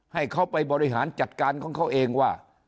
ให้เขาไปบริหารจัดการของเขาเองว่า